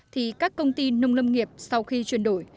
thì các công ty nông lâm nghiệp sau khi chuyển đổi